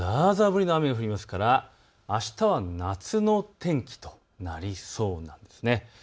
降りの雨が降りますから、あしたは夏の天気となりそうです。